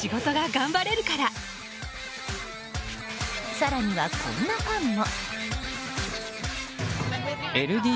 更には、こんなファンも。